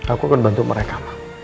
aku akan bantu mereka